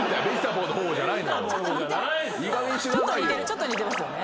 ちょっと似てますよね。